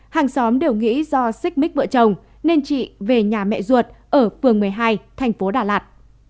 hàng xóm đều nghĩ do xích mít vợ chồng nên chị về nhà mẹ ruột ở phường một mươi hai thành phố đà lạt